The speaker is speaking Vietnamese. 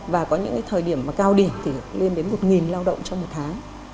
và có những cái thời điểm mà cao điểm thì lên đến một lao động trong một tháng